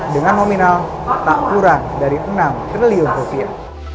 dengan nominal tak kurang dari enam triliun rupiah